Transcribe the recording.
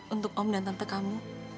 untuk om dan tante kamu